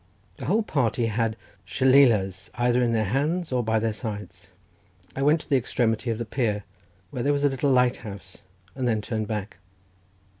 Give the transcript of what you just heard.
The whole party had shillealahs either in their hands or by their sides. I went to the extremity of the pier, where was a little light house, and then turned back.